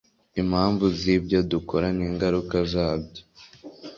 impamvu zibyo dukora ningaruka zabyo